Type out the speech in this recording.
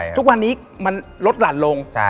ทุกวันนี้มันลดหลั่นลง